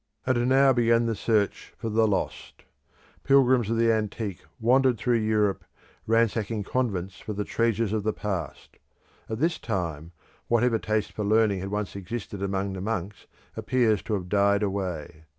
And now began the search for the lost. Pilgrims of the antique wandered through Europe, ransacking convents for the treasures of the past. At this time whatever taste for learning had once existed among the monks appears to have died away.